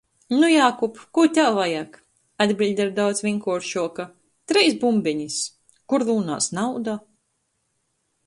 Nu, Jākub, kū tev vajag? Atbiļde ir daudz vīnkuoršuoka: "Treis bumbenis!" Kur rūnās nauda?